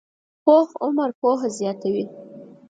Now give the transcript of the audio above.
پوخ عمر پوهه زیاته وي